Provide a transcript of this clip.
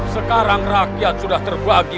sekarang rakyat sudah terbagi